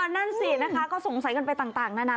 นั่นสินะคะก็สงสัยกันไปต่างนานา